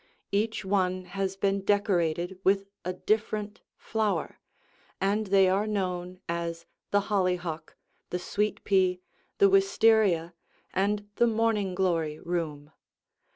Each one has been decorated with a different flower, and they are known as the holly hock, the sweet pea, the wistaria, and the morning glory room.